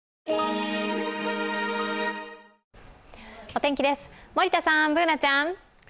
お天気です、森田さん、Ｂｏｏｎａちゃん。